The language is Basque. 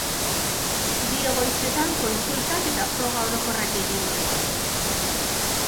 Bi egoitzetan kontsultak eta froga orokorrak egingo dituzte.